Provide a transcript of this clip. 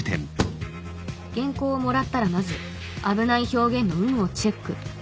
原稿をもらったらまず危ない表現の有無をチェック